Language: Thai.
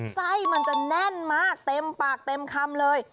ไส้มันจะแน่นมากเต็มปากเต็มคำเลย